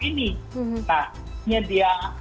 lalu mereka berusaha mengkonekkan diri ke layanan whatsapp